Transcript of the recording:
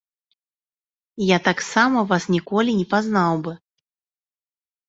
Я таксама вас ніколі не пазнаў бы.